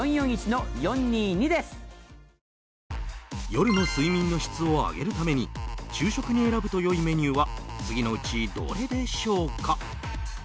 夜の睡眠の質を上げるために昼食に選ぶと良いメニューは次のうちどれでしょうか？